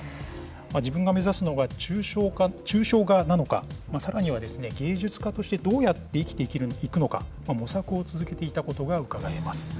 自分が目指すのは、抽象画なのか、さらには芸術家としてどうやって生きていくのか、模索を続けていたことがうかがえます。